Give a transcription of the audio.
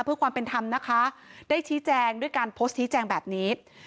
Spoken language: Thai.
เพื่อความเป็นธรรมนะคะได้ชี้แจงด้วยการโพสต์ชี้แจงแบบนี้